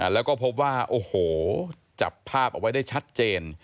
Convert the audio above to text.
แล้วก็พบว่าโอ้โหจับภาพเอาไว้ได้ชัดเจน